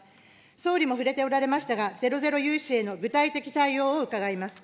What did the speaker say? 総理も触れておられましたが、ゼロゼロ融資への具体的対応を伺います。